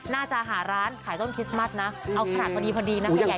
น่าจะหาร้านขายต้นคริสต์มัสนะ